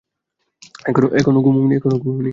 এখনো ঘুমোও নি?